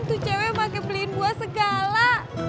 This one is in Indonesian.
tuh cewek pake beliin buah segala